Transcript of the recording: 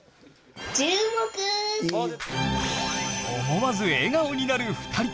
思わず笑顔になる２人。